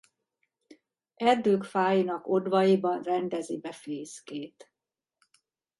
Erdők fáinak odvaiban rendezi be fészkét.